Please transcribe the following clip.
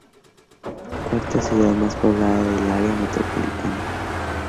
Cuarta ciudad más poblada del área metropolitana.